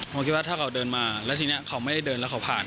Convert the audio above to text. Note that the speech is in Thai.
ผมคิดว่าถ้าเขาเดินมาแล้วทีนี้เขาไม่ได้เดินแล้วเขาผ่าน